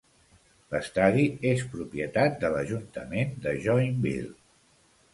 L'estadi és propietat de l'ajuntament de Joinville.